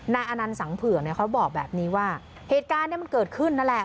อนันต์สังเผือกเนี่ยเขาบอกแบบนี้ว่าเหตุการณ์เนี่ยมันเกิดขึ้นนั่นแหละ